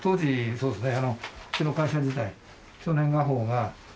そうですよね。